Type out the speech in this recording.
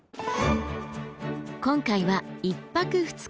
今回は１泊２日。